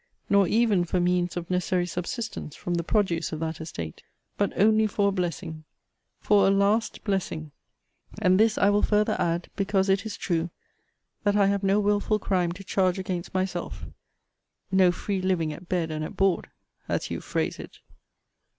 Nor even for means of necessary subsistence from the produce of that estate but only for a blessing; for a last blessing! And this I will farther add, because it is true, that I have no wilful crime to charge against myself: no free living at bed and at board, as you phrase it!